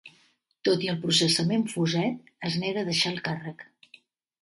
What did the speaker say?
Tot i el processament Fuset es nega a deixar el càrrec